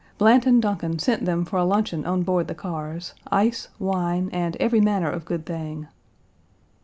Blanton Duncan sent them for a luncheon on board the cars, ice, wine, and every manner of good thing.